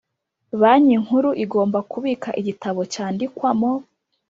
Banki Nkuru igomba kubika igitabo cyandikwamo